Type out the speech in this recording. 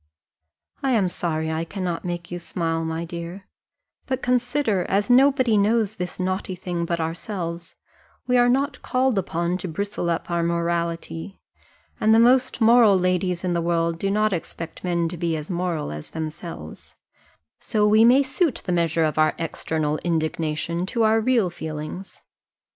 I am sorry I cannot make you smile, my dear; but consider, as nobody knows this naughty thing but ourselves, we are not called upon to bristle up our morality, and the most moral ladies in the world do not expect men to be as moral as themselves: so we may suit the measure of our external indignation to our real feelings.